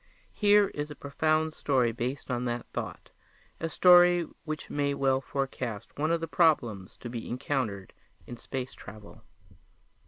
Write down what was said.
Here is a profound story based on that thought a story which may well forecast one of the problems to be encountered in space travel.